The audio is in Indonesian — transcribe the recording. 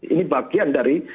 ini bagian dari